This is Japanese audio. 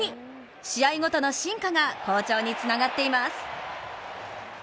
試合ごとの進化が好調につながっています。